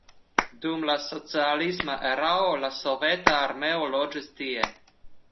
Dum la socialisma erao la soveta armeo loĝis tie.